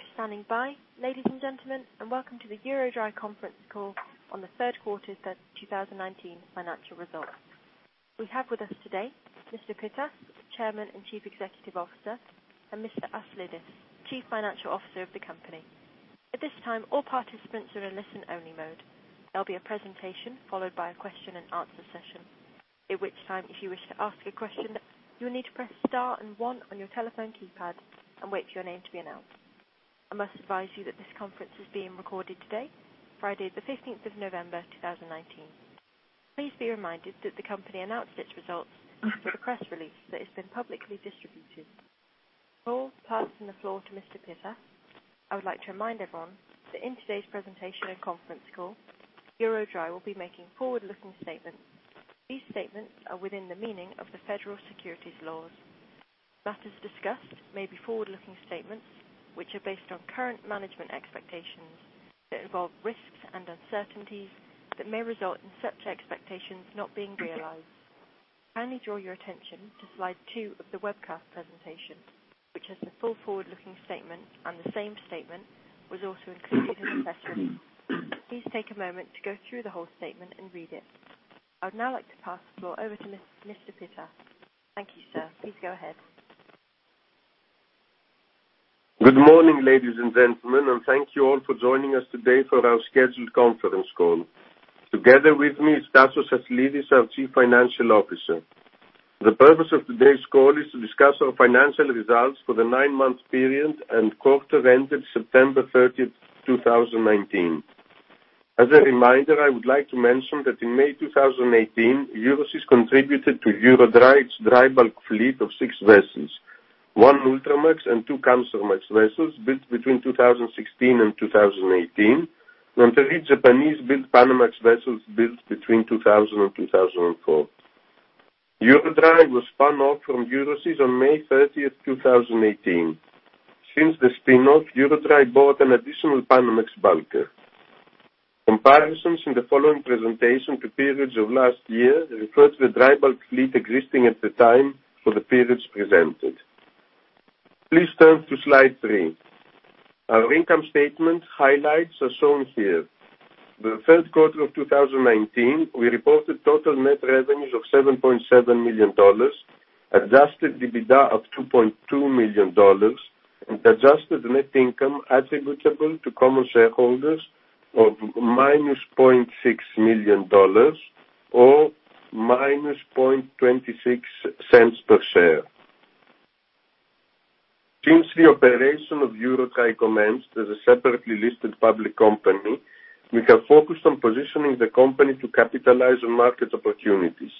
Thank you for standing by. Ladies and gentlemen, and welcome to the EuroDry conference call on the third quarter 30th, 2019 financial results. We have with us today Mr. Pittas, Chairman and Chief Executive Officer, and Mr. Aslidis, Chief Financial Officer of the company. At this time, all participants are in listen-only mode. There'll be a presentation followed by a question and answer session. At which time, if you wish to ask a question, you will need to press star and one on your telephone keypad and wait for your name to be announced. I must advise you that this conference is being recorded today, Friday the 15th of November, 2019. Please be reminded that the company announced its results with a press release that has been publicly distributed. Before passing the floor to Mr. Pittas, I would like to remind everyone that in today's presentation and conference call, EuroDry will be making forward-looking statements. These statements are within the meaning of the Federal Securities laws. Matters discussed may be forward-looking statements, which are based on current management expectations that involve risks and uncertainties that may result in such expectations not being realized. Kindly draw your attention to slide two of the webcast presentation, which has the full forward-looking statement, and the same statement was also included in the press release. Please take a moment to go through the whole statement and read it. I would now like to pass the floor over to Mr. Pittas. Thank you, sir. Please go ahead. Good morning, ladies and gentlemen, and thank you all for joining us today for our scheduled conference call. Together with me is Tasos Aslidis, our Chief Financial Officer. The purpose of today's call is to discuss our financial results for the nine-month period and quarter ended September 30th, 2019. As a reminder, I would like to mention that in May 2018, Euroseas contributed to EuroDry its dry bulk fleet of six vessels, one Ultramax and two Kamsarmax vessels built between 2016 and 2018, and three Japanese-built Panamax vessels built between 2000 and 2004. EuroDry was spun off from Euroseas on May 30th, 2018. Since the spinoff, EuroDry bought an additional Panamax bulker. Comparisons in the following presentation to periods of last year refer to the dry bulk fleet existing at the time for the periods presented. Please turn to slide three. Our income statement highlights are shown here. The third quarter of 2019, we reported total net revenues of $7.7 million, adjusted EBITDA of $2.2 million, and adjusted net income attributable to common shareholders of -$0.6 million or -$0.26 per share. Since the operation of EuroDry commenced as a separately listed public company, we have focused on positioning the company to capitalize on market opportunities.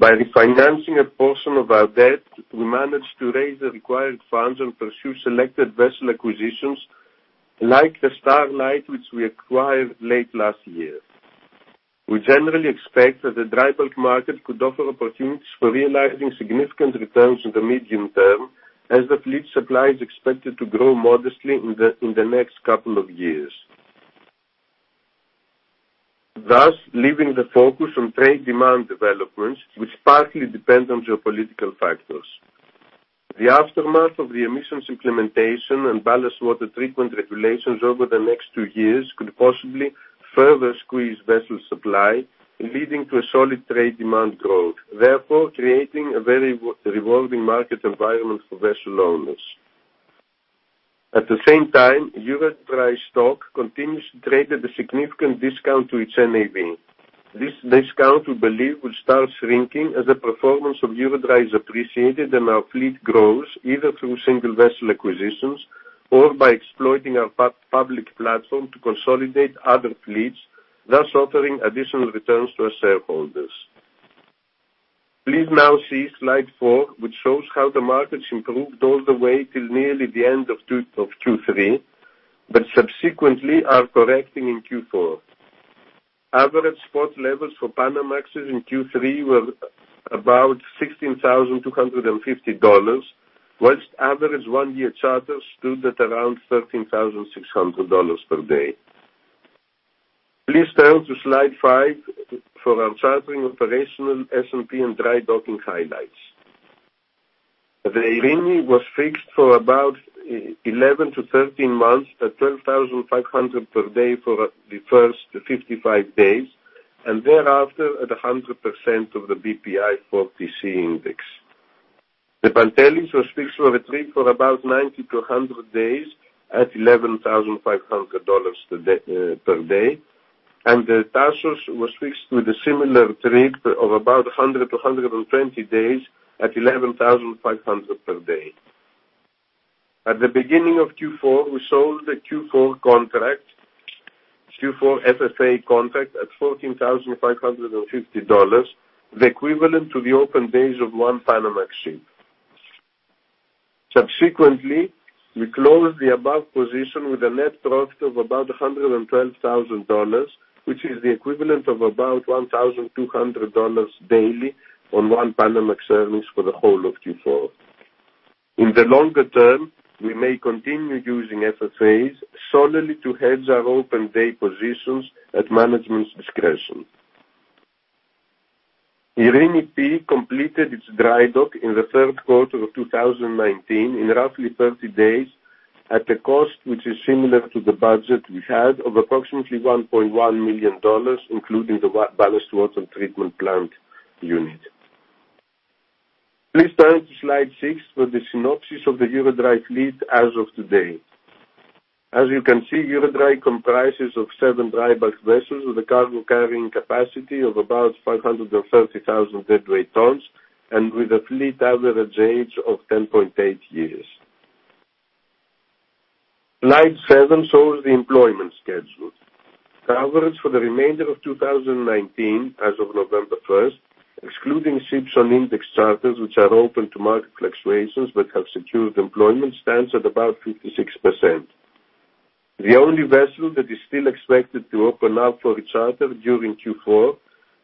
By refinancing a portion of our debt, we managed to raise the required funds and pursue selected vessel acquisitions like the Starlight, which we acquired late last year. We generally expect that the dry bulk market could offer opportunities for realizing significant returns in the medium term as the fleet supply is expected to grow modestly in the next couple of years, thus leaving the focus on trade demand developments, which partly depend on geopolitical factors. The aftermath of the emissions implementation and ballast water treatment regulations over the next two years could possibly further squeeze vessel supply, leading to a solid trade demand growth, therefore creating a very revolving market environment for vessel owners. At the same time, EuroDry stock continues to trade at a significant discount to its NAV. This discount, we believe, will start shrinking as the performance of EuroDry is appreciated and our fleet grows either through single vessel acquisitions or by exploiting our public platform to consolidate other fleets, thus offering additional returns to our shareholders. Please now see slide four, which shows how the markets improved all the way till nearly the end of Q3, but subsequently are correcting in Q4. Average spot levels for Panamax in Q3 were about $16,250, whilst average one-year charter stood at around $13,600 per day. Please turn to slide five for our chartering operational S&P and dry docking highlights. The Eirini P was fixed for about 11-13 months at $12,500 per day for the first 55 days, and thereafter at 100% of the BPI for PC index. The Pantelis was fixed for a trip for about 90-100 days at $11,500 per day. The Tasos was fixed with a similar trip of about 100-120 days at $11,500 per day. At the beginning of Q4, we sold the Q4 contract, Q4 FFA contract at $14,550, the equivalent to the open days of one Panamax ship. Subsequently, we closed the above position with a net profit of about $112,000, which is the equivalent of about $1,200 daily on one Panamax earnings for the whole of Q4. In the longer term, we may continue using FFAs solely to hedge our open day positions at management's discretion. Eirini P completed its dry dock in the third quarter of 2019 in roughly 30 days at a cost which is similar to the budget we had of approximately $1.1 million, including the ballast water treatment plant unit. Please turn to slide six for the synopsis of the EuroDry fleet as of today. As you can see, EuroDry comprises of seven dry bulk vessels with a cargo carrying capacity of about 530,000 deadweight tons and with a fleet average age of 10.8 years. Slide seven shows the employment schedule. Average for the remainder of 2019 as of November 1st, excluding ships on index charters, which are open to market fluctuations but have secured employment, stands at about 56%. The only vessel that is still expected to open up for a charter during Q4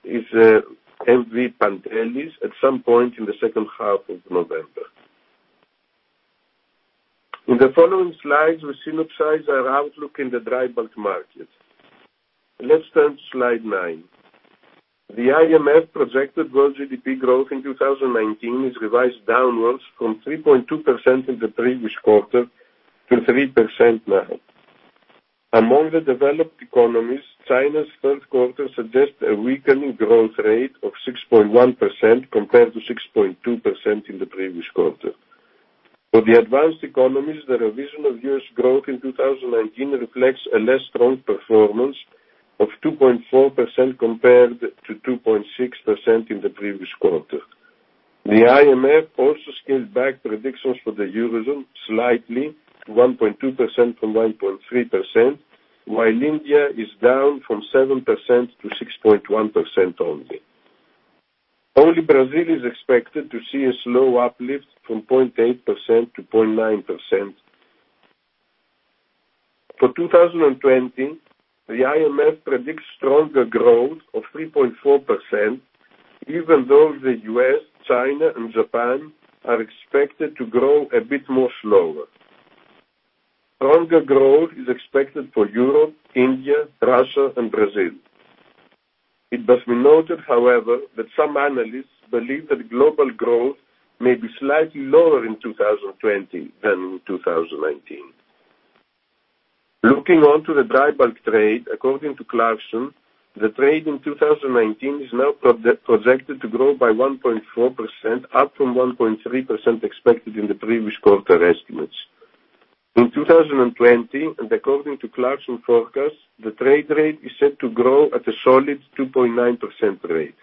is the MV Pantelis at some point in the second half of November. In the following slides, we synopsis our outlook in the dry bulk market. Let's turn to slide nine. The IMF projected world GDP growth in 2019 is revised downwards from 3.2% in the previous quarter to 3% now. Among the developed economies, China's third quarter suggests a weakening growth rate of 6.1% compared to 6.2% in the previous quarter. For the advanced economies, the revision of U.S. growth in 2019 reflects a less strong performance of 2.4% compared to 2.6% in the previous quarter. The IMF also scaled back predictions for the Euro zone slightly to 1.2% from 1.3%, while India is down from 7% to 6.1% only. Only Brazil is expected to see a slow uplift from 0.8% to 0.9%. For 2020, the IMF predicts stronger growth of 3.4%, even though the U.S., China, and Japan are expected to grow a bit more slower. Stronger growth is expected for Europe, India, Russia, and Brazil. It must be noted, however, that some analysts believe that global growth may be slightly lower in 2020 than in 2019. Looking onto the dry bulk trade, according to Clarksons, the trade in 2019 is now projected to grow by 1.4%, up from 1.3% expected in the previous quarter estimates. In 2020, according to Clarksons' forecast, the trade rate is set to grow at a solid 2.9% rate.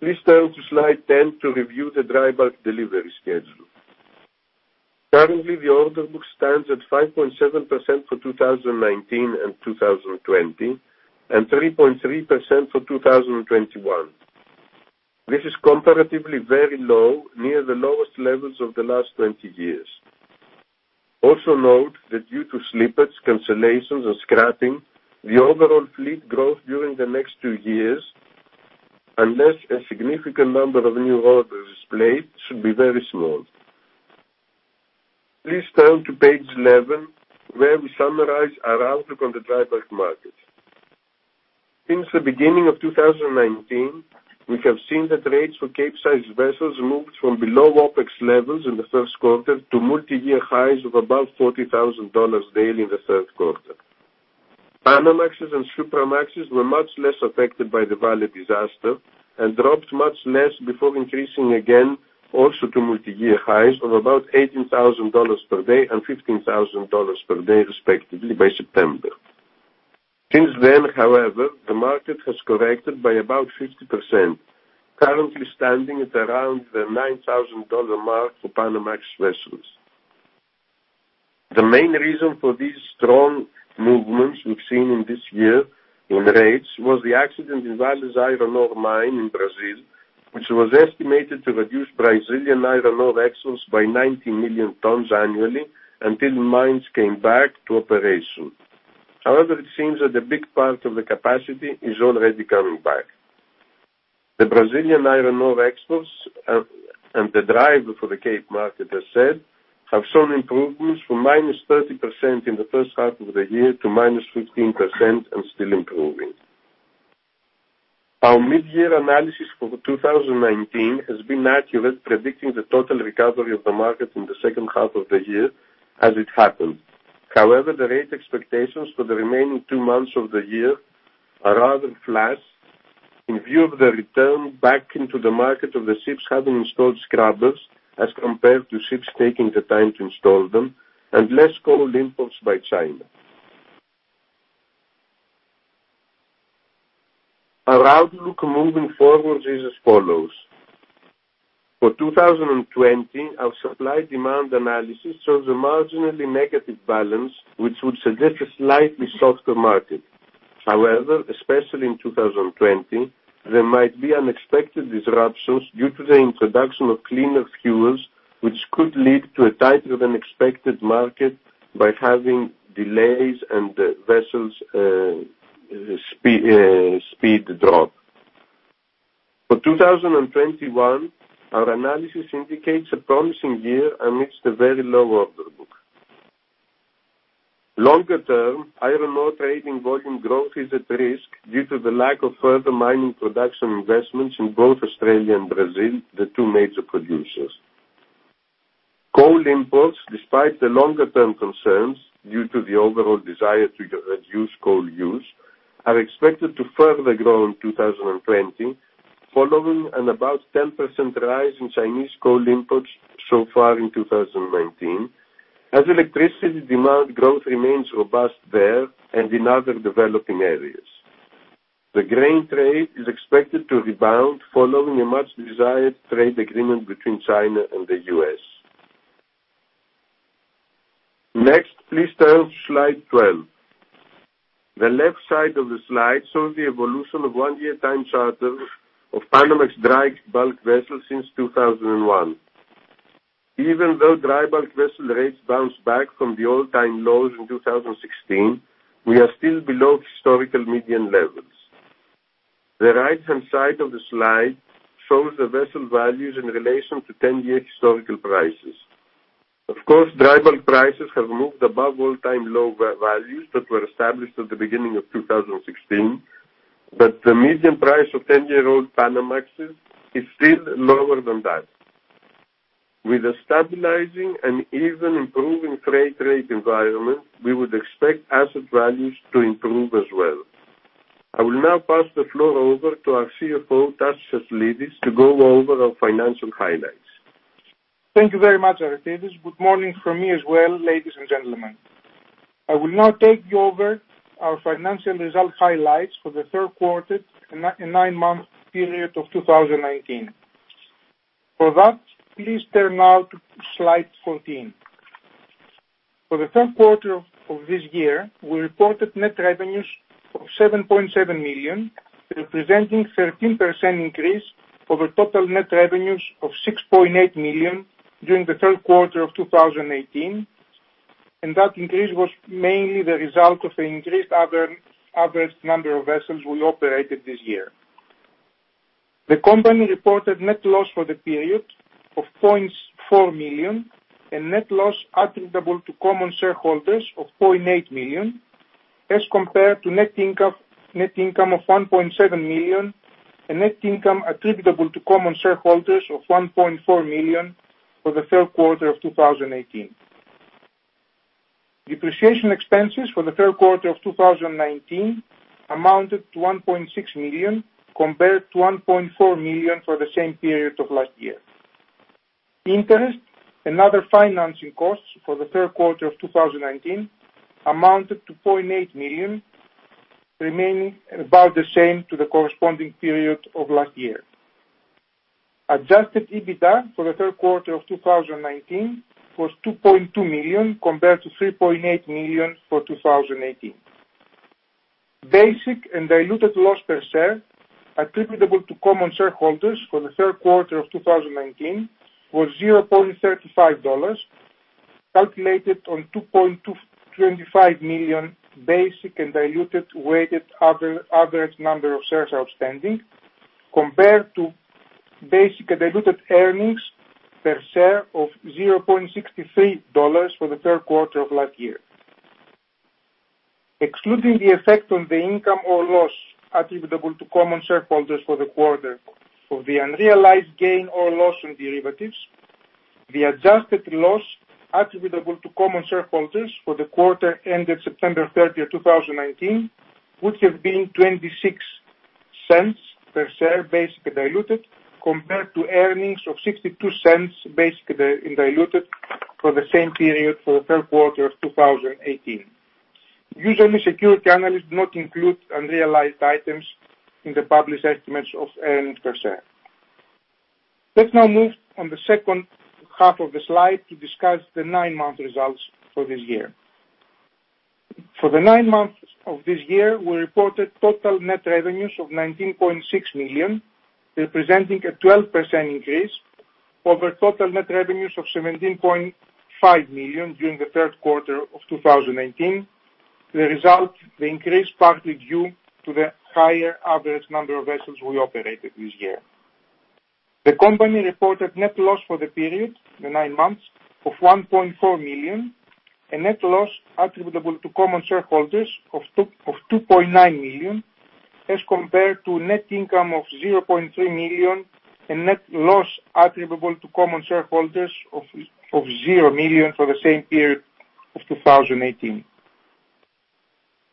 Please turn to slide 10 to review the dry bulk delivery schedule. Currently, the order book stands at 5.7% for 2019 and 2020 and 3.3% for 2021. This is comparatively very low, near the lowest levels of the last 20 years. Also note that due to slippage, cancellations, and scrapping, the overall fleet growth during the next two years, unless a significant number of new orders is placed, should be very small. Please turn to page 11, where we summarize our outlook on the dry bulk market. Since the beginning of 2019, we have seen that rates for Capesize vessels moved from below OpEx levels in the first quarter to multi-year highs of about $40,000 daily in the third quarter. Panamax and Supramax were much less affected by the Vale disaster and dropped much less before increasing again, also to multi-year highs of about $18,000 per day and $15,000 per day, respectively, by September. Since then, however, the market has corrected by about 50%, currently standing at around the $9,000 mark for Panamax vessels. The main reason for these strong movements we've seen in this year in rates was the accident in Vale's iron ore mine in Brazil, which was estimated to reduce Brazilian iron ore exports by 90 million tons annually until the mines came back to operation. However, it seems that a big part of the capacity is already coming back. The Brazilian iron ore exports and the drive for the Cape market, as said, have shown improvements from -30% in the first half of the year to -15% and still improving. Our mid-year analysis for 2019 has been accurate, predicting the total recovery of the market in the second half of the year as it happened. However, the rate expectations for the remaining two months of the year are rather flat in view of the return back into the market of the ships having installed scrubbers as compared to ships taking the time to install them and less coal imports by China. Our outlook moving forward is as follows. For 2020, our supply-demand analysis shows a marginally negative balance, which would suggest a slightly softer market. However, especially in 2020, there might be unexpected disruptions due to the introduction of cleaner fuels, which could lead to a tighter than expected market by having delays and vessels speed drop. For 2021, our analysis indicates a promising year amidst a very low order book. Longer term, iron ore trading volume growth is at risk due to the lack of further mining production investments in both Australia and Brazil, the two major producers. Coal imports, despite the longer-term concerns due to the overall desire to reduce coal use, are expected to further grow in 2020 following an above 10% rise in Chinese coal imports so far in 2019, as electricity demand growth remains robust there and in other developing areas. The grain trade is expected to rebound following a much desired trade agreement between China and the U.S. Please turn to slide 12. The left side of the slide shows the evolution of one-year time charter of Panamax dry bulk vessels since 2001. Even though dry bulk vessel rates bounced back from the all-time lows in 2016, we are still below historical median levels. The right-hand side of the slide shows the vessel values in relation to 10-year historical prices. Of course, dry bulk prices have moved above all-time low values that were established at the beginning of 2016. The median price of 10-year-old Panamax is still lower than that. With a stabilizing and even improving freight rate environment, we would expect asset values to improve as well. I will now pass the floor over to our CFO, Tasos Aslidis, to go over our financial highlights. Thank you very much, Aris. Good morning from me as well, ladies and gentlemen. I will now take you over our financial result highlights for the third quarter and nine-month period of 2019. For that, please turn now to slide 14. For the third quarter of this year, we reported net revenues of $7.7 million, representing 13% increase over total net revenues of $6.8 million during the third quarter of 2018. That increase was mainly the result of increased average number of vessels we operated this year. The company reported net loss for the period of $0.4 million and net loss attributable to common shareholders of $0.8 million as compared to net income of $1.7 million and net income attributable to common shareholders of $1.4 million for the third quarter of 2018. Depreciation expenses for the third quarter of 2019 amounted to $1.6 million compared to $1.4 million for the same period of last year. Interest and other financing costs for the third quarter of 2019 amounted to $0.8 million, remaining about the same to the corresponding period of last year. Adjusted EBITDA for the third quarter of 2019 was $2.2 million compared to $3.8 million for 2018. Basic and diluted loss per share attributable to common shareholders for the third quarter of 2019 was $0.35, calculated on $2.25 million basic and diluted weighted average number of shares outstanding, compared to basic and diluted earnings per share of $0.63 for the third quarter of last year. Excluding the effect on the income or loss attributable to common shareholders for the quarter for the unrealized gain or loss on derivatives, the adjusted loss attributable to common shareholders for the quarter ended September 30th, 2019, would have been $0.26 per share basic and diluted, compared to earnings of $0.62 basic and diluted for the same period for the third quarter of 2018. Usually, security analysts not include unrealized items in the published estimates of earnings per share. Let's now move on the second half of the slide to discuss the nine-month results for this year. For the nine months of this year, we reported total net revenues of $19.6 million, representing a 12% increase over total net revenues of $17.5 million during the third quarter of 2018. The increase partly due to the higher average number of vessels we operated this year. The company reported net loss for the period, the nine months, of $1.4 million and net loss attributable to common shareholders of $2.9 million as compared to net income of $0.3 million and net loss attributable to common shareholders of $0 million for the same period of 2018.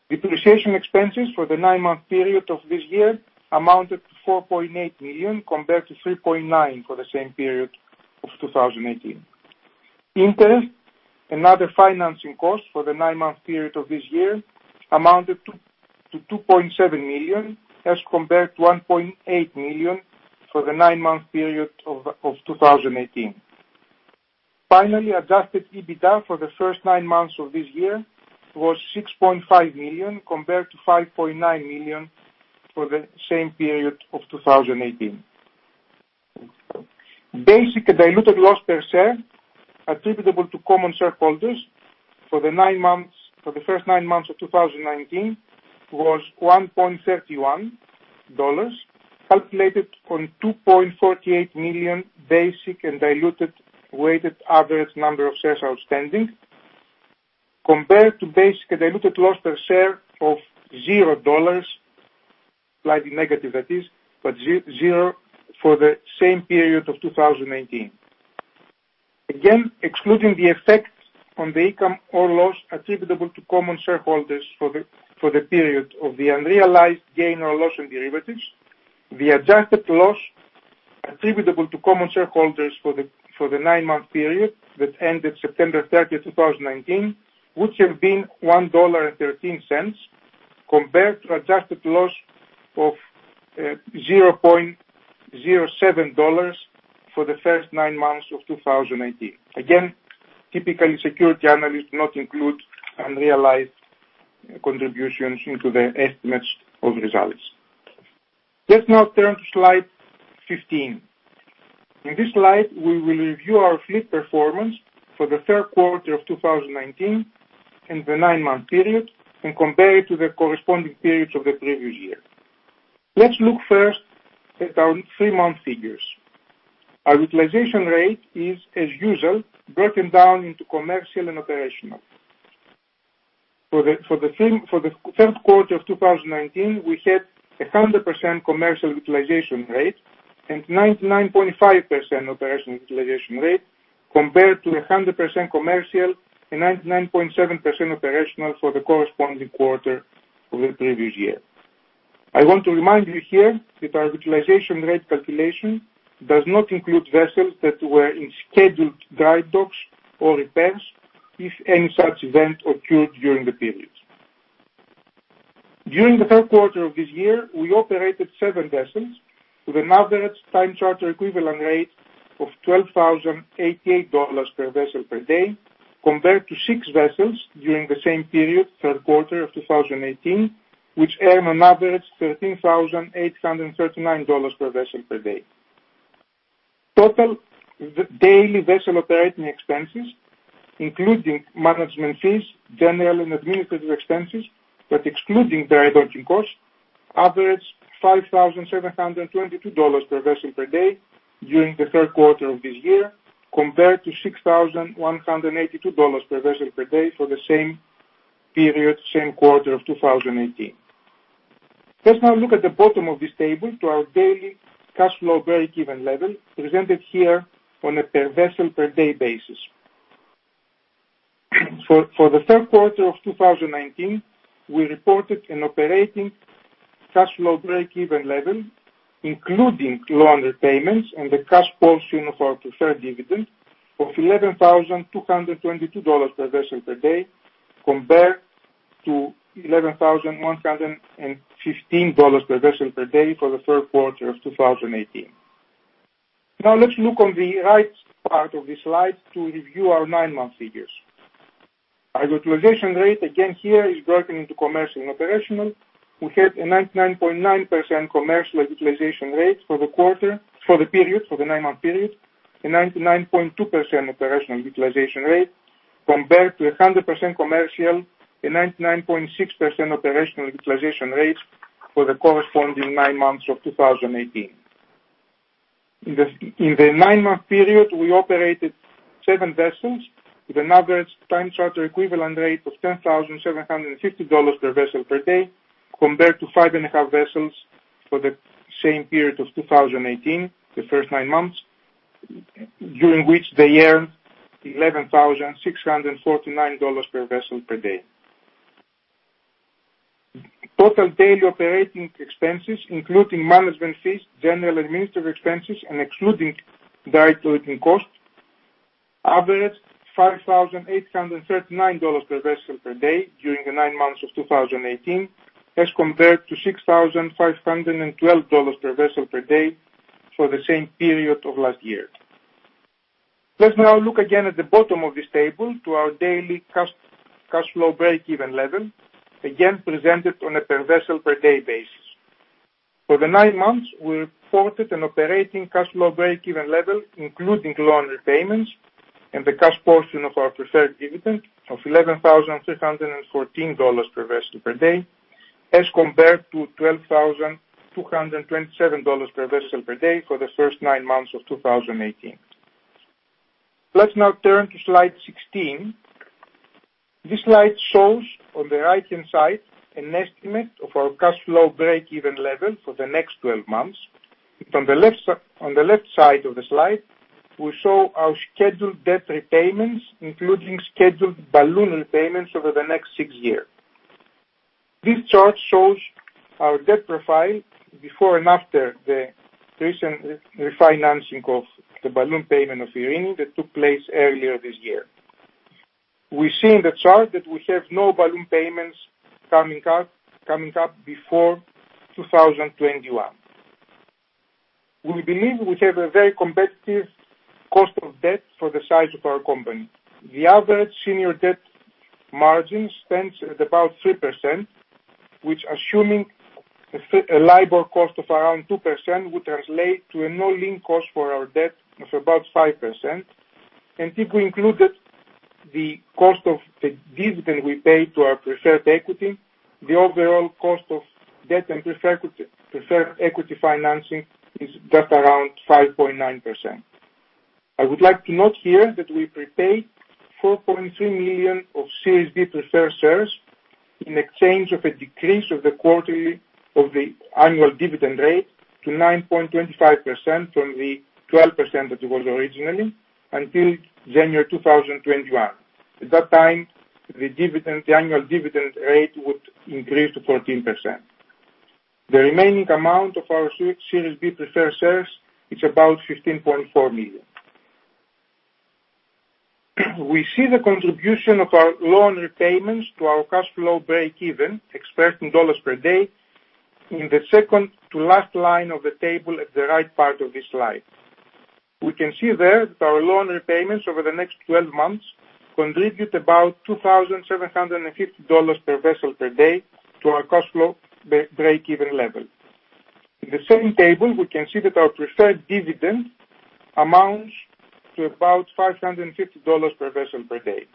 Depreciation expenses for the nine-month period of this year amounted to $4.8 million compared to $3.9 million for the same period of 2018. Interest and other financing costs for the nine-month period of this year amounted to $2.7 million as compared to $1.8 million for the nine-month period of 2018. Finally, adjusted EBITDA for the first nine months of this year was $6.5 million compared to $5.9 million for the same period of 2018. Basic and diluted loss per share attributable to common shareholders for the first nine months of 2019 was $1.31. Calculated on 2.48 million basic and diluted weighted average number of shares outstanding, compared to basic and diluted loss per share of $0, slightly negative, that is. Zero for the same period of 2019. Again, excluding the effect on the income or loss attributable to common shareholders for the period of the unrealized gain or loss on derivatives, the adjusted loss attributable to common shareholders for the nine-month period that ended September 30th, 2019, would have been $1.13, compared to adjusted loss of $0.07 for the first nine months of 2018. Again, typically, security analysts not include unrealized contributions into their estimates of results. Let's now turn to slide 15. In this slide, we will review our fleet performance for the third quarter of 2019 and the nine-month period and compare it to the corresponding periods of the previous year. Let's look first at our three-month figures. Our utilization rate is, as usual, broken down into commercial and operational. For the third quarter of 2019, we had 100% commercial utilization rate and 99.5% operational utilization rate compared to 100% commercial and 99.7% operational for the corresponding quarter of the previous year. I want to remind you here that our utilization rate calculation does not include vessels that were in scheduled dry docks or repairs if any such event occurred during the period. During the third quarter of this year, we operated seven vessels with an average time charter equivalent rate of $12,088 per vessel per day, compared to six vessels during the same period, third quarter of 2018, which earned an average $13,839 per vessel per day. Total daily vessel operating expenses, including management fees, general and administrative expenses, but excluding dry docking costs, averaged $5,722 per vessel per day during the third quarter of this year, compared to $6,182 per vessel per day for the same period, same quarter of 2018. Let's now look at the bottom of this table to our daily cash flow breakeven level, presented here on a per vessel per day basis. For the third quarter of 2019, we reported an operating cash flow breakeven level, including loan repayments and the cash portion of our preferred dividend of $11,222 per vessel per day, compared to $11,115 per vessel per day for the third quarter of 2018. Let's look on the right part of the slide to review our nine-month figures. Our utilization rate, again here, is broken into commercial and operational. We had a 99.9% commercial utilization rate for the period, for the nine-month period, a 99.2% operational utilization rate compared to 100% commercial, a 99.6% operational utilization rate for the corresponding nine months of 2018. In the nine-month period, we operated 7 vessels with an average time charter equivalent rate of $10,750 per vessel per day, compared to 5.5 vessels for the same period of 2018, the first nine months, during which they earned $11,649 per vessel per day. Total daily operating expenses, including management fees, general administrative expenses, and excluding direct docking costs, averaged $5,839 per vessel per day during the nine months of 2018, as compared to $6,512 per vessel per day for the same period of last year. Let's now look again at the bottom of this table to our daily cash flow breakeven level, again, presented on a per vessel per day basis. For the nine months, we reported an operating cash flow breakeven level, including loan repayments and the cash portion of our preferred dividend of $11,314 per vessel per day as compared to $12,227 per vessel per day for the first nine months of 2018. Let's now turn to slide 16. This slide shows on the right-hand side an estimate of our cash flow breakeven level for the next 12 months. On the left side of the slide, we show our scheduled debt repayments, including scheduled balloon repayments over the next six year. This chart shows our debt profile before and after the recent refinancing of the balloon payment of Eirini that took place earlier this year. We see in the chart that we have no balloon payments coming up before 2021. We believe we have a very competitive cost of debt for the size of our company. The average senior debt margin stands at about 3%, which assuming a LIBOR cost of around 2%, would translate to an all-in cost for our debt of about 5%, and if we included the cost of the dividend we pay to our preferred equity, the overall cost of debt and preferred equity financing is just around 5.9%. I would like to note here that we prepaid $4.3 million of Series B preferred shares in exchange of a decrease of the annual dividend rate to 9.25% from the 12% that it was originally until January 2021. At that time, the annual dividend rate would increase to 14%. The remaining amount of our Series B preferred shares is about $15.4 million. We see the contribution of our loan repayments to our cash flow breakeven expressed in dollars per day in the second to last line of the table at the right part of this slide. We can see there that our loan repayments over the next 12 months contribute about $2,750 per vessel per day to our cash flow breakeven level. In the same table, we can see that our preferred dividend amounts to about $550 per vessel per day.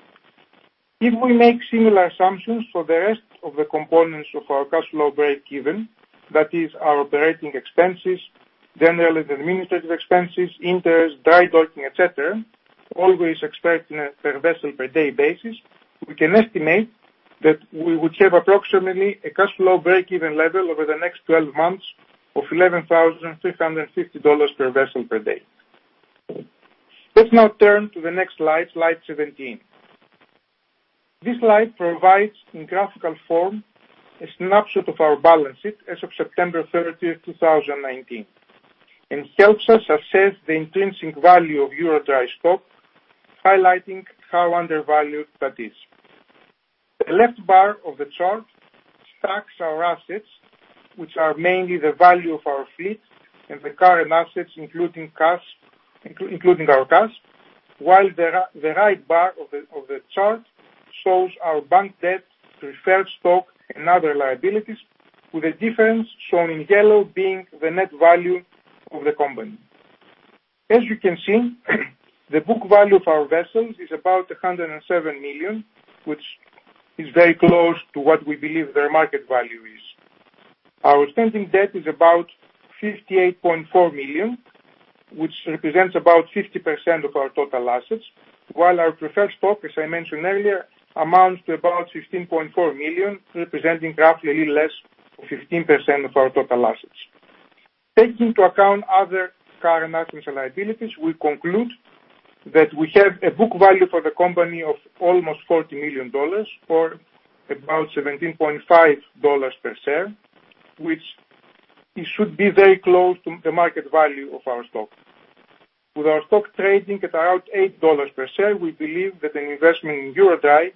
If we make similar assumptions for the rest of the components of our cash flow breakeven, that is our operating expenses, general and administrative expenses, interest, dry docking, et cetera, always expressed in a per vessel per day basis, we can estimate that we would have approximately a cash flow breakeven level over the next 12 months of $11,350 per vessel per day. Let's now turn to the next slide 17. This slide provides, in graphical form, a snapshot of our balance sheet as of September 30th, 2019 and helps us assess the intrinsic value of EuroDry stock, highlighting how undervalued that is. The left bar of the chart stacks our assets, which are mainly the value of our fleet and the current assets, including our cash, while the right bar of the chart shows our bank debt, preferred stock, and other liabilities, with the difference shown in yellow being the net value of the company. As you can see, the book value of our vessels is about $107 million, which is very close to what we believe their market value is. Our outstanding debt is about $58.4 million, which represents about 50% of our total assets, while our preferred stock, as I mentioned earlier, amounts to about $16.4 million, representing roughly a little less, 15% of our total assets. Taking into account other current assets and liabilities, we conclude that we have a book value for the company of almost $40 million or about $17.5 per share, which should be very close to the market value of our stock. With our stock trading at about $8 per share, we believe that an investment in EuroDry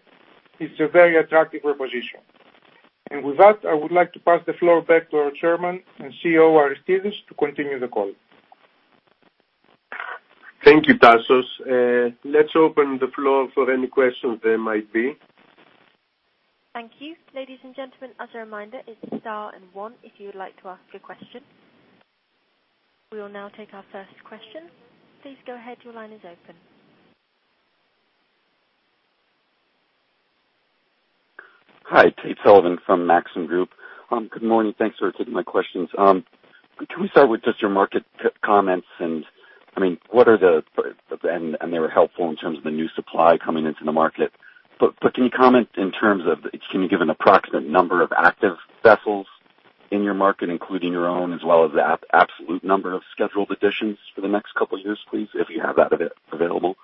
is a very attractive proposition. With that, I would like to pass the floor back to our Chairman and CEO, Aristides, to continue the call. Thank you, Tasos. Let's open the floor for any questions there might be. Thank you. Ladies and gentlemen, as a reminder, it's star and one if you would like to ask your question. We will now take our first question. Please go ahead, your line is open. Hi, Tate Sullivan from Maxim Group. Good morning. Thanks for taking my questions. Can we start with just your market comments, and they were helpful in terms of the new supply coming into the market. Can you comment in terms of, can you give an approximate number of active vessels in your market, including your own, as well as the absolute number of scheduled additions for the next couple of years, please, if you have that available?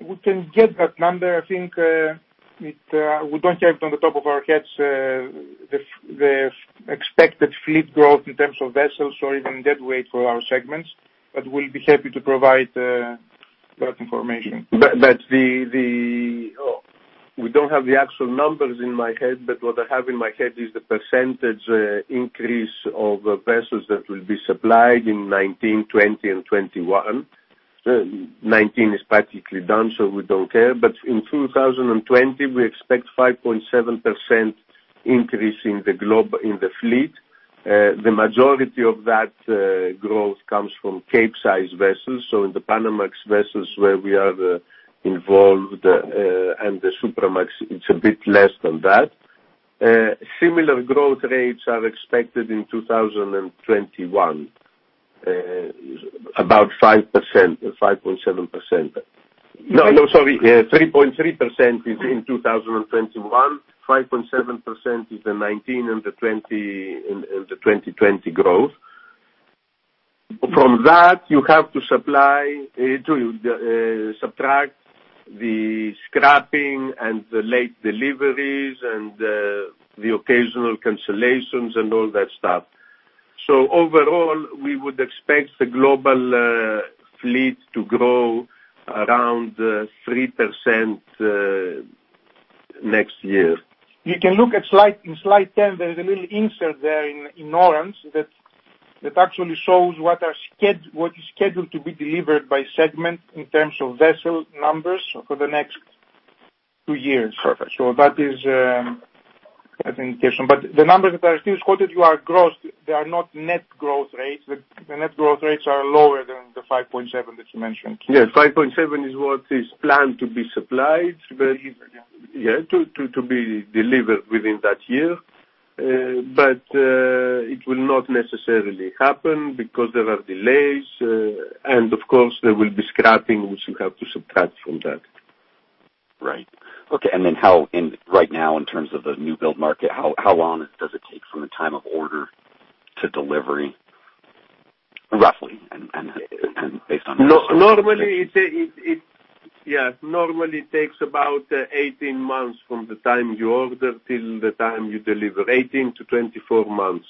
We can get that number. I think, we don't have it on the top of our heads, the expected fleet growth in terms of vessels or even deadweight for our segments, but we'll be happy to provide that information. We don't have the actual numbers in my head, but what I have in my head is the percentage increase of vessels that will be supplied in 2019, 2020, and 2021. 2019 is practically done, we don't care. In 2020, we expect 5.7% increase in the fleet. The majority of that growth comes from Capesize vessels. In the Panamax vessels where we are involved, and the Supramax, it's a bit less than that. Similar growth rates are expected in 2021, about 5% or 5.7%. No, sorry. 3.3% is in 2021, 5.7% is the 2019 and the 2020 growth. From that, you have to subtract the scrapping and the late deliveries and the occasional cancellations and all that stuff. Overall, we would expect the global fleet to grow around 3% next year. You can look in slide 10, there's a little insert there in orange that actually shows what is scheduled to be delivered by segment in terms of vessel numbers for the next two years. Perfect. That is an indication. The numbers that are still quoted are gross. They are not net growth rates. The net growth rates are lower than the 5.7 that you mentioned. Yes, 5.7 is what is planned to be supplied. Delivered, yeah. Yeah, to be delivered within that year. It will not necessarily happen because there are delays and of course, there will be scrapping, which you have to subtract from that. Right. Okay. Right now, in terms of the new build market, how long does it take from the time of order to delivery, roughly? Normally it takes about 18 months from the time you order till the time you deliver, 18-24 months.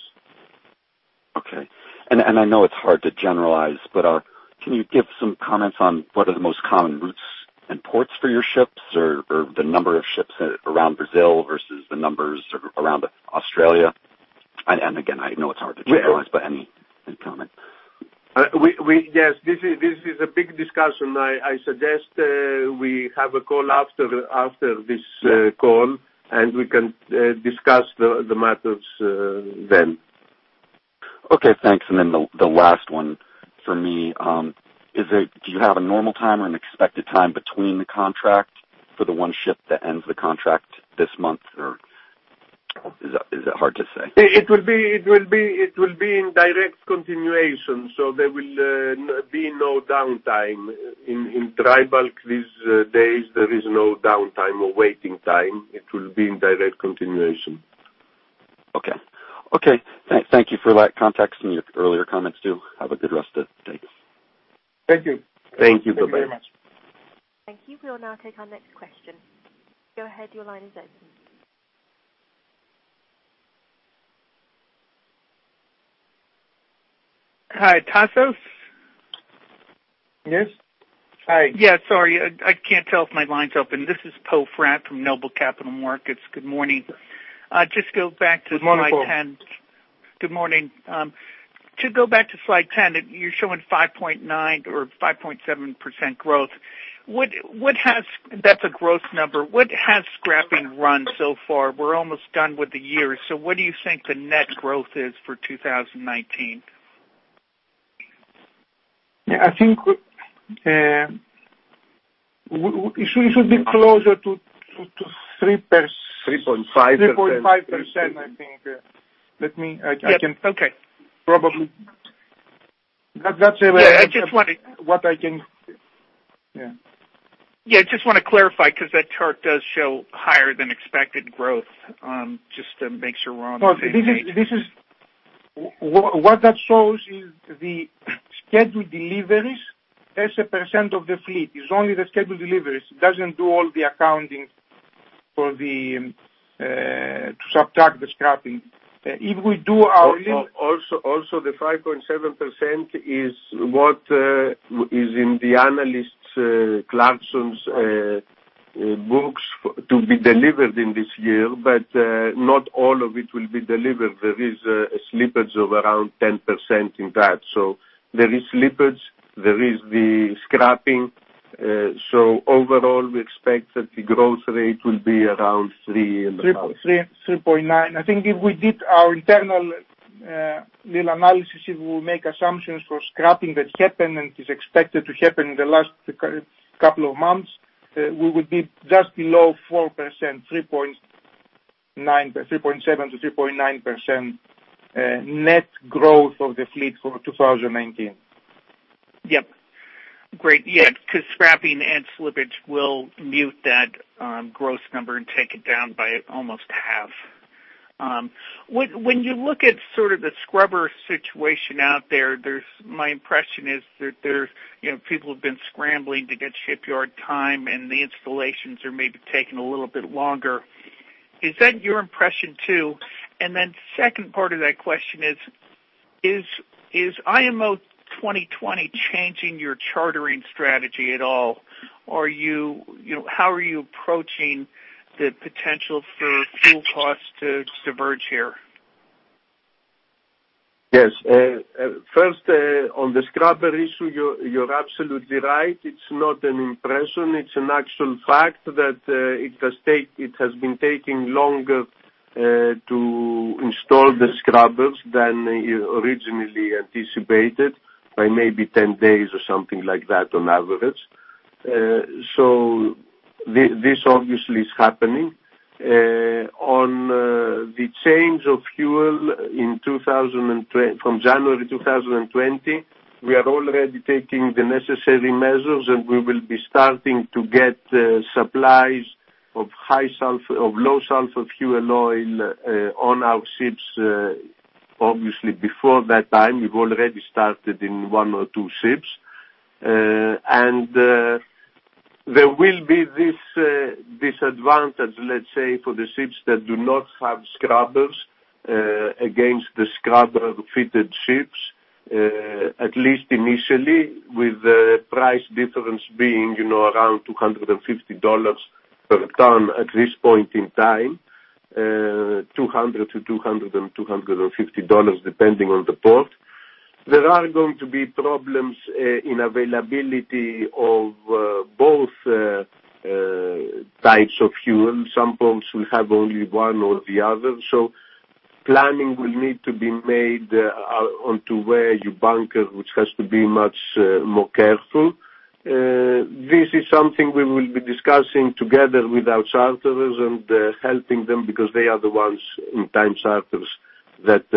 Okay. I know it's hard to generalize, but can you give some comments on what are the most common routes and ports for your ships or the number of ships around Brazil versus the numbers around Australia? Again, I know it's hard to generalize, but any comment? Yes. This is a big discussion. I suggest we have a call after this call, and we can discuss the matters then. Okay, thanks. The last one for me, do you have a normal time or an expected time between the contract for the one ship that ends the contract this month, or is that hard to say? It will be in direct continuation, there will be no downtime. In dry bulk these days, there is no downtime or waiting time. It will be in direct continuation. Okay. Thank you for that context and your earlier comments, too. Have a good rest of the day. Thank you. Thank you. Bye-bye. Thank you very much. Thank you. We'll now take our next question. Go ahead. Your line is open. Hi, Tasos? Yes. Hi. Yeah, sorry. I can't tell if my line's open. This is Poe Fratt from Noble Capital Markets. Good morning. Good morning, Poe. Good morning. To go back to slide 10, you're showing 5.9% or 5.7% growth. That's a growth number. What has scrapping run so far? We're almost done with the year, so what do you think the net growth is for 2019? Yeah, I think it should be closer to 3%. 3.5%. 3.5%, I think. Yeah. Okay. Probably. That's what I can Yeah. Yeah, just want to clarify because that chart does show higher than expected growth, just to make sure we're on the same page. What that shows is the scheduled deliveries as a % of the fleet. It's only the scheduled deliveries. It doesn't do all the accounting to subtract the scrapping. If we do our- Also, the 5.7% is what is in the analyst's, Clarksons' books to be delivered in this year, but not all of it will be delivered. There is a slippage of around 10% in that. There is slippage. There is the scrapping. Overall, we expect that the growth rate will be around three and about. 3.9%. I think if we did our internal little analysis, if we make assumptions for scrapping that happened and is expected to happen in the last couple of months, we would be just below 4%, 3.7%-3.9%, net growth of the fleet for 2019. Yep. Great. Yeah. Scrapping and slippage will mute that gross number and take it down by almost half. When you look at sort of the scrubber situation out there, my impression is that people have been scrambling to get shipyard time, and the installations are maybe taking a little bit longer. Is that your impression, too? Second part of that question is IMO 2020 changing your chartering strategy at all? How are you approaching the potential for fuel costs to diverge here? Yes. First, on the scrubber issue, you're absolutely right. It's not an impression. It's an actual fact that it has been taking longer to install the scrubbers than originally anticipated by maybe 10 days or something like that on average. This obviously is happening. On the change of fuel from January 2020, we are already taking the necessary measures, and we will be starting to get supplies of low sulfur fuel oil on our ships obviously before that time. We've already started in one or two ships. There will be this disadvantage, let's say, for the ships that do not have scrubbers against the scrubber-fitted ships, at least initially, with the price difference being around $250 per ton at this point in time, $200-$250 depending on the port. There are going to be problems in availability of both types of fuel. Some pumps will have only one or the other. Planning will need to be made onto where you bunker, which has to be much more careful. This is something we will be discussing together with our charterers and helping them because they are the ones in time charters that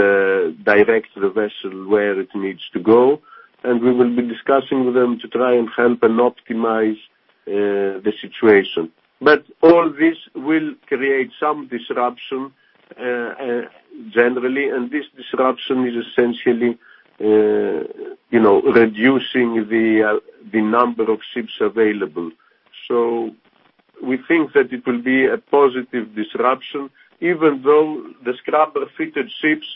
direct the vessel where it needs to go. We will be discussing with them to try and help and optimize the situation. All this will create some disruption generally, and this disruption is essentially reducing the number of ships available. We think that it will be a positive disruption, even though the scrubber-fitted ships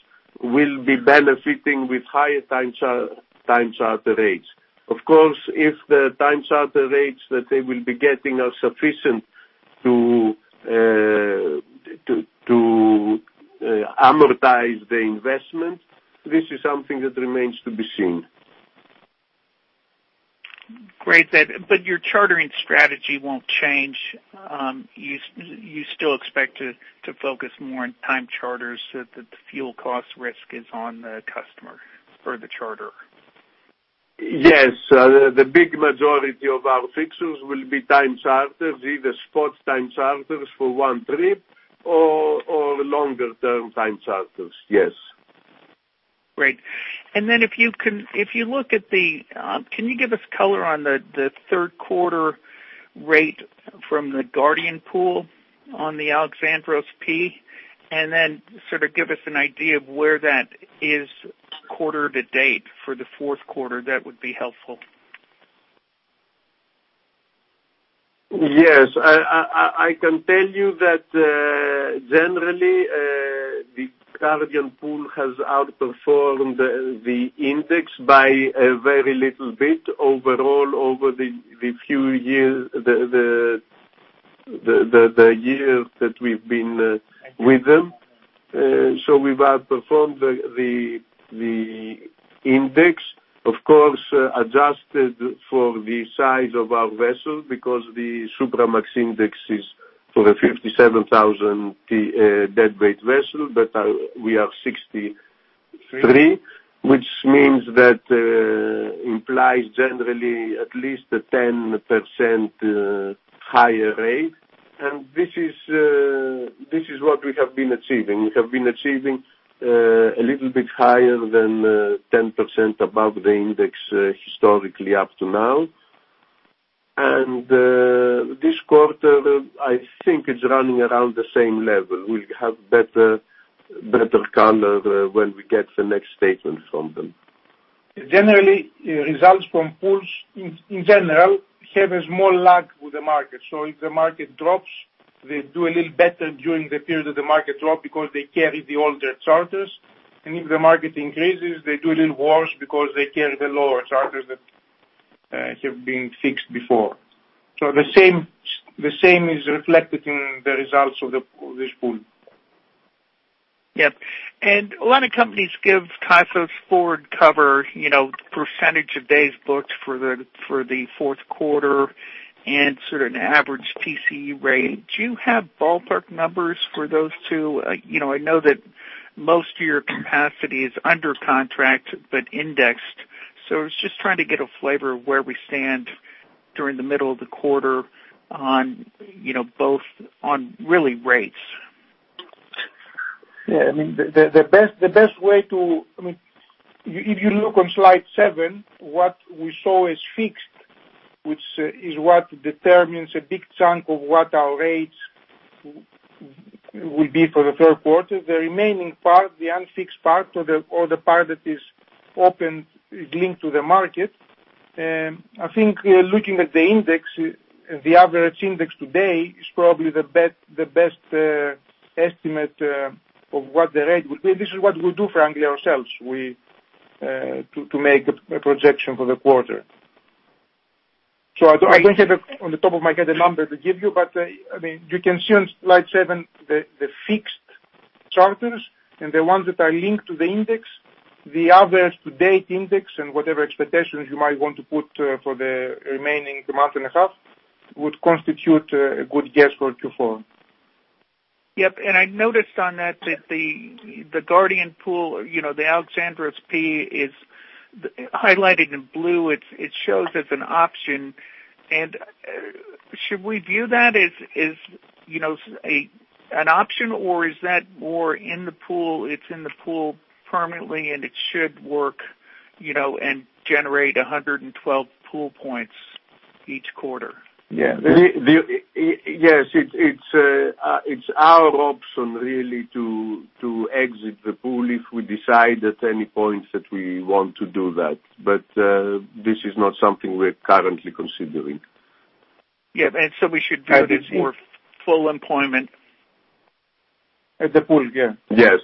will be benefiting with higher time charter rates. Of course, if the time charter rates that they will be getting are sufficient to amortize the investment, this is something that remains to be seen. Great. Your chartering strategy won’t change. You still expect to focus more on time charters so that the fuel cost risk is on the customer or the charterer. Yes. The big majority of our fixtures will be time charters, either spot time charters for one trip or longer-term time charters. Yes. Great. Can you give us color on the third quarter rate from the Guardian Navigation on the Alexandros P, and then sort of give us an idea of where that is quarter to date for the fourth quarter? That would be helpful. Yes. I can tell you that, generally, the Guardian Navigation has outperformed the index by a very little bit overall over the years that we’ve been with them. We’ve outperformed the index, of course, adjusted for the size of our vessel because the Supramax index is for a 57,000 deadweight vessel, but we are 63, which implies generally at least a 10% higher rate. This is what we have been achieving. We have been achieving a little bit higher than 10% above the index historically up to now. This quarter, I think it’s running around the same level. We’ll have better color when we get the next statement from them. Generally, results from pools, in general, have a small lag with the market. If the market drops, they do a little better during the period of the market drop because they carry the older charters. If the market increases, they do a little worse because they carry the lower charters that have been fixed before. The same is reflected in the results of this pool. Yep. A lot of companies give COAs forward cover, percentage of days booked for the fourth quarter and sort of an average P5TC rate. Do you have ballpark numbers for those two? I know that most of your capacity is under contract but indexed. I was just trying to get a flavor of where we stand during the middle of the quarter on both really rates. If you look on slide seven, what we show is fixed, which is what determines a big chunk of what our rates will be for the third quarter. The remaining part, the unfixed part or the part that is open, is linked to the market. I think looking at the index, the average index today is probably the best estimate of what the rate will be. This is what we do, frankly, ourselves to make a projection for the quarter. I don’t have it on the top of my head, the number to give you. You can see on slide seven the fixed charters and the ones that are linked to the index. The average to-date index and whatever expectations you might want to put for the remaining month and a half would constitute a good guess for Q4. Yep. I noticed on that the Guardian Navigation, the Alexandros P is highlighted in blue. It shows as an option. Should we view that as an option, or is that more in the pool, it’s in the pool permanently, and it should work and generate 112 pool points each quarter? Yes. It’s our option really to exit the pool if we decide at any point that we want to do that. This is not something we’re currently considering. Yeah. We should view it as more full employment. At the pool. Yeah. Yes.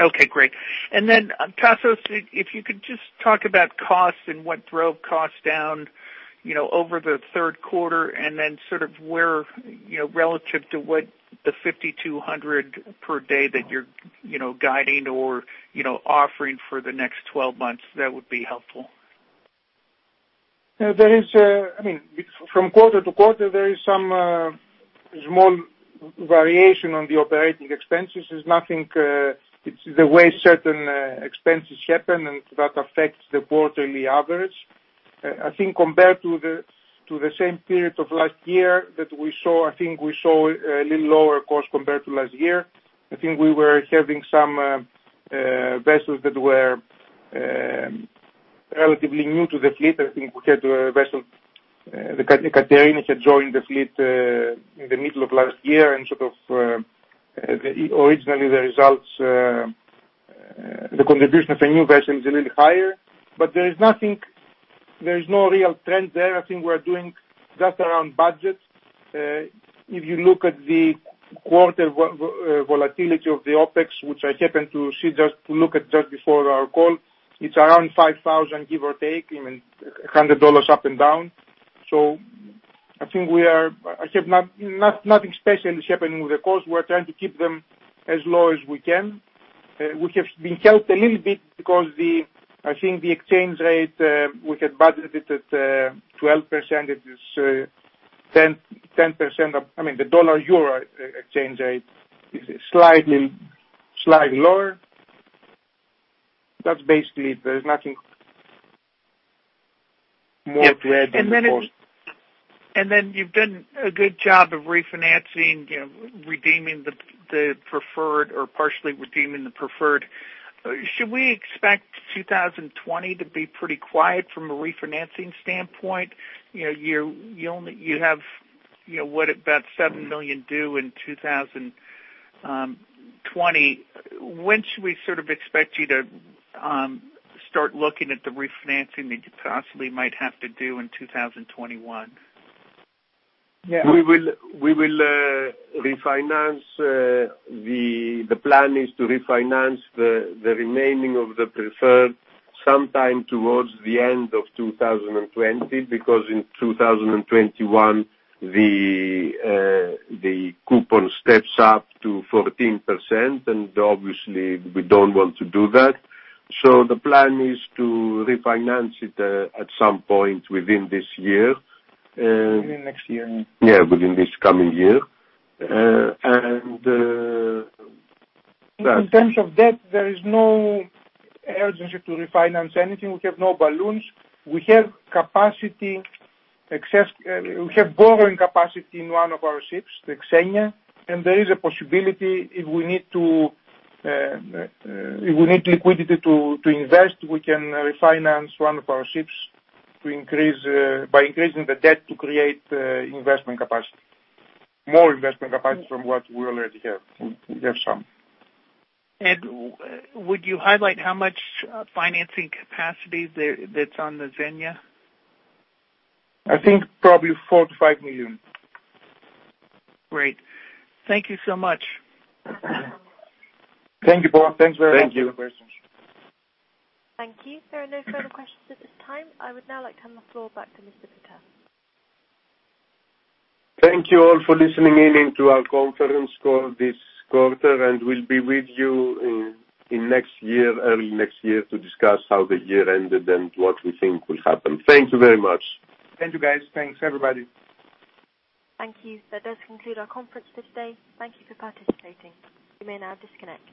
Okay, great. Tasos, if you could just talk about costs and what drove costs down over the third quarter, sort of where relative to what the 5,200 per day that you're guiding or offering for the next 12 months, that would be helpful. From quarter to quarter, there is some small variation on the operating expenses. It's the way certain expenses happen, and that affects the quarterly average. I think compared to the same period of last year that we saw, I think we saw a little lower cost compared to last year. I think we were having some vessels that were relatively new to the fleet. I think we had a vessel, the Ekaterini had joined the fleet in the middle of last year and sort of originally the results, the contribution of a new vessel is a little higher. There is no real trend there. I think we're doing just around budget. If you look at the quarter volatility of the OpEx, which I happen to look at just before our call, it's around 5,000 give or take, even $100 up and down. I think nothing special is happening with the costs. We're trying to keep them as low as we can. We have been helped a little bit because I think the exchange rate, we had budgeted at 12%, it is 10%. I mean, the dollar/euro exchange rate is slightly lower. That's basically it. There's nothing more to add than that. You've done a good job of refinancing, redeeming the preferred or partially redeeming the preferred. Should we expect 2020 to be pretty quiet from a refinancing standpoint? You have what, about $7 million due in 2020. When should we sort of expect you to start looking at the refinancing that you possibly might have to do in 2021? The plan is to refinance the remaining of the preferred sometime towards the end of 2020 because in 2021, the coupon steps up to 14%. Obviously we don't want to do that. The plan is to refinance it at some point within this year. Within next year. Yeah, within this coming year. That. In terms of debt, there is no urgency to refinance anything. We have no balloons. We have borrowing capacity in one of our ships, the Xenia. There is a possibility if we need liquidity to invest, we can refinance one of our ships by increasing the debt to create investment capacity. More investment capacity from what we already have. We have some. Would you highlight how much financing capacity that's on the Xenia? I think probably $4 million-$5 million. Great. Thank you so much. Thank you, Poe. Thanks very much for your questions. Thank you. Thank you. There are no further questions at this time. I would now like to turn the floor back to Mr. Pittas. Thank you all for listening in to our conference call this quarter. We'll be with you early next year to discuss how the year ended and what we think will happen. Thank you very much. Thank you, guys. Thanks, everybody. Thank you. That does conclude our conference for today. Thank you for participating. You may now disconnect.